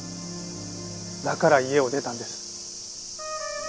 だから家を出たんです。